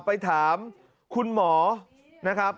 ไปถามคุณหมอนะครับ